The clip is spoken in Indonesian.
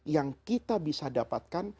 yang kita bisa dapatkan